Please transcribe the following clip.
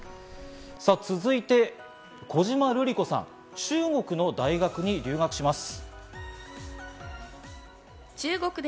続いて、小島瑠璃子さんが中国の大学に留学します。